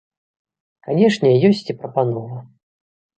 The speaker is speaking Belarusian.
Канешне, ёсць і прапанова.